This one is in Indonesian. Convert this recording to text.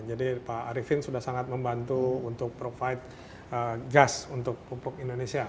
jadi pak arifin sudah sangat membantu untuk provide gas untuk pupuk indonesia